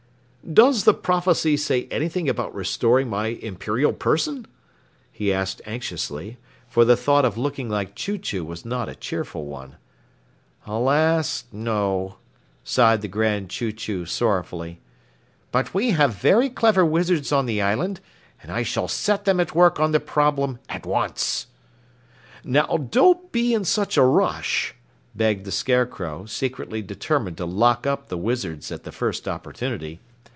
"Does the prophecy say anything about restoring my imperial person?" he asked anxiously, for the thought of looking like Chew Chew was not a cheerful one. "Alas, no!" sighed the Grand Chew Chew sorrowfully. "But we have very clever wizards on the Island, and I shall set them at work on the problem at once." "Now don't be in such a rush," begged the Scarecrow, secretly determined to lock up the wizards at the first opportunity.